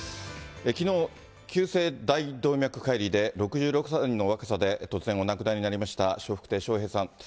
きのう、急性大動脈解離で６６歳の若さで突然お亡くなりになりました笑福亭笑瓶さん。